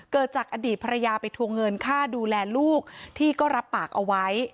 เกิดจากอดีตภรรยาไปทวงเงินค่าดูแลลูกที่ก็รับปากเอาไว้